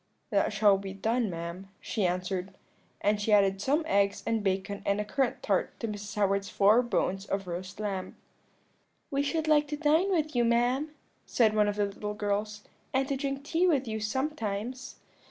"'That shall be done, ma'am,' she answered; and she added some eggs and bacon and a currant tart to Mrs. Howard's four bones of roast lamb. "'We should like to dine with you, ma'am,' said one of the little girls, 'and to drink tea with you sometimes.'